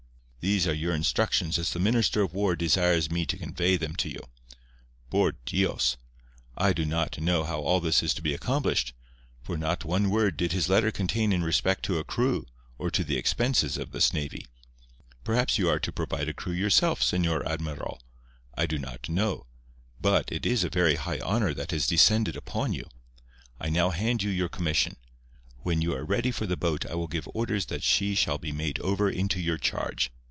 These are your instructions as the Minister of War desires me to convey them to you. Por Dios! I do not know how all this is to be accomplished, for not one word did his letter contain in respect to a crew or to the expenses of this navy. Perhaps you are to provide a crew yourself, Señor Admiral—I do not know—but it is a very high honour that has descended upon you. I now hand you your commission. When you are ready for the boat I will give orders that she shall be made over into your charge.